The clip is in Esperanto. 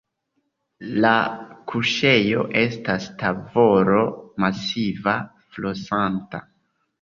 La kuŝejo estas tavolo-masiva, flosanta.